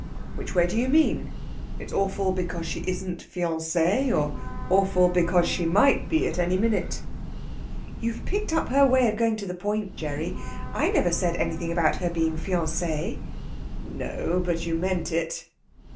"Which way do you mean? It's awful because she isn't fiancée, or awful because she might be at any minute?" "You've picked up her way of going to the point, Gerry. I never said anything about her being fiancée." "No, but you meant it."